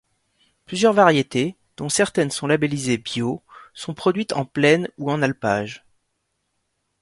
Plusieurs variétés, dont certaines sont labellisées bio, sont produites en plaine ou en alpage.